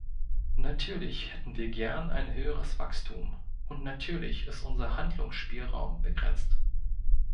Natürlich hätten wir gern ein höheres Wachstum, und natürlich ist unser Handlungsspielraum begrenzt.